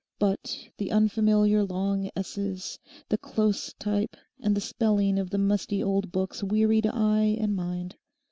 But the unfamiliar long S's, the close type, and the spelling of the musty old books wearied eye and mind.